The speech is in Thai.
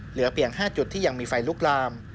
เหลือเพียง๕จุดที่ยังมีไฟลุกลาม